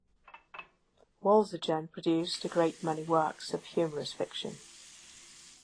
Wolzogen produced a great many works of humorous fiction.